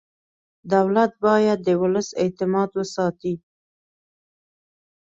دولت باید د ولس اعتماد وساتي.